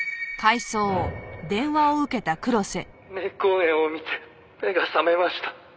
「冥婚絵を見て目が覚めました」